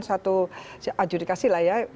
satu adjudikasi lah ya